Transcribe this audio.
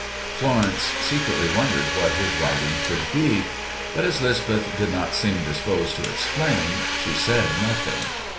Florence secretly wondered what his writing could be; but, as 'Lisbeth did not seem disposed to explain, she said nothing.